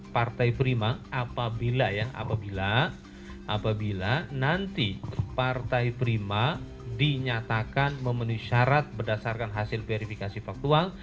partai prima apabila ya apabila nanti partai prima dinyatakan memenuhi syarat berdasarkan hasil verifikasi faktual